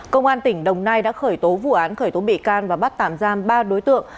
công an tỉnh đồng nai đã khởi tố vụ án khởi tố bị can và bắt tạm giam ba đối tượng